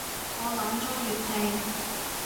我懶裝粵拼